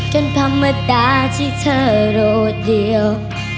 จนธรรมดาทีเธอโดดเดียว